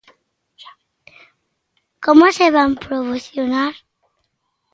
¿Como se van promocionar?